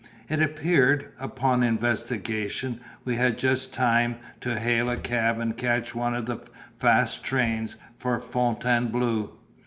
It appeared, upon investigation, we had just time to hail a cab and catch one of the fast trains for Fontainebleau.